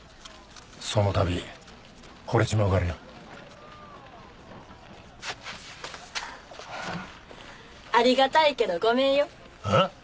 そのたびほれちまうからよありがたいけどごめんよえっ？